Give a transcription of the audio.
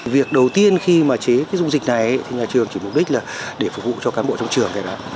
việc đầu tiên khi mà chế cái dung dịch này thì nhà trường chỉ mục đích là để phục vụ cho cán bộ trong trường